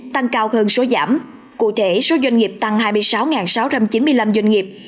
tăng cao hơn số giảm cụ thể số doanh nghiệp tăng hai mươi sáu sáu trăm chín mươi năm doanh nghiệp